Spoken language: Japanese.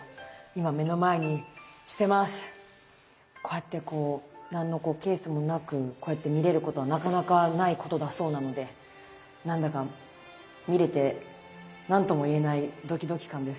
こうやってこう何のケースもなくこうやって見れることはなかなかないことだそうなのでなんだか見れて何とも言えないドキドキ感です。